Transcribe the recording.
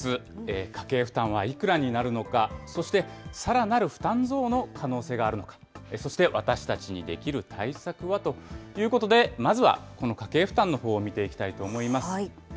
家計負担はいくらになるのか、そしてさらなる負担増の可能性があるのか、そして、私たちにできる対策はということで、まずはこの家計負担のほうを見ていきたいと思います。